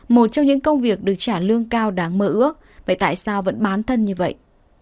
một trong những công việc được trả lương cao đáng mơ ước vậy tại sao vẫn bán thân như vậy